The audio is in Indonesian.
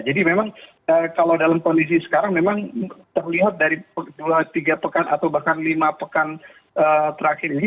jadi memang kalau dalam kondisi sekarang memang terlihat dari tiga pekan atau bahkan lima pekan terakhir ini